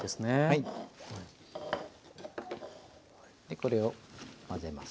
これを混ぜます。